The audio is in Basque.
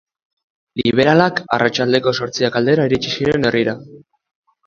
Liberalak arratsaldeko zortziak aldera iritsi ziren herrira.